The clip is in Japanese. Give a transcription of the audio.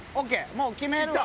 もう決めるわ。